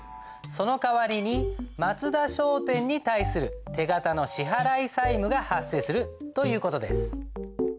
その代わりに松田商店に対する手形の支払い債務が発生するという事です。